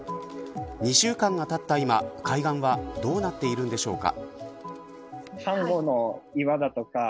２週間がたった今海岸はどうなっているのでしょうか。